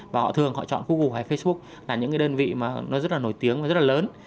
và họ thường họ chọn google hay facebook là những cái đơn vị mà nó rất là nổi tiếng và rất là lớn